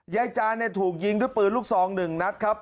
ยายจานถูกยิงด้วยปืนลูกซอง๑นัดครับ